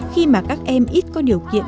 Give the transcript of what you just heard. khi mà các em ít có điều kiện